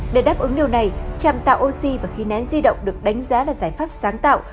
để đáp ứng điều này chạm tạo oxy và khí nén di động được đánh giá là giải pháp sáng tạo